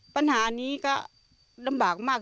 ปัญหานี้ก็ลำบากมาก